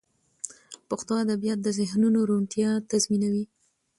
پښتو ادبیات د ذهنونو روڼتیا تضمینوي.